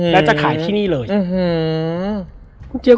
แล้วสักครั้งหนึ่งเขารู้สึกอึดอัดที่หน้าอก